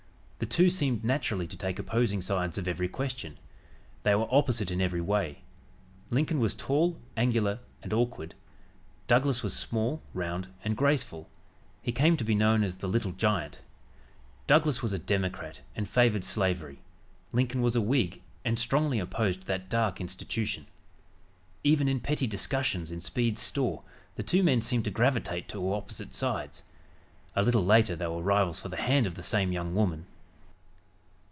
The two seemed naturally to take opposing sides of every question. They were opposite in every way. Lincoln was tall, angular and awkward. Douglas was small, round and graceful he came to be known as "the Little Giant." Douglas was a Democrat and favored slavery. Lincoln was a Whig, and strongly opposed that dark institution. Even in petty discussions in Speed's store, the two men seemed to gravitate to opposite sides. A little later they were rivals for the hand of the same young woman.